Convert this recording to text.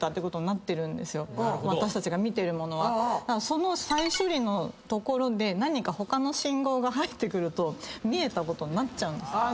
その再処理のところで何か他の信号が入ってくると見えたことになっちゃうんですよ。